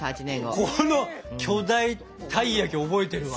この巨大たい焼き覚えてるわ。